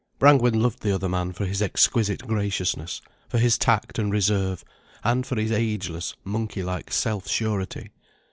Brangwen loved the other man for his exquisite graciousness, for his tact and reserve, and for his ageless, monkey like self surety.